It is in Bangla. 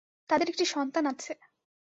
তাঁদের একটি সন্তান আছে।